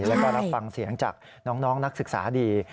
แล้วก็รับฟังเสียงจากน้องนักศึกษาดี